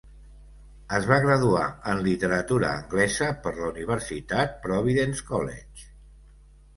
Es va graduar en Literatura Anglesa per la Universitat Providence College.